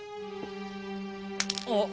あっ。